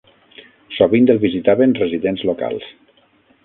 Sovint el visitaven residents locals.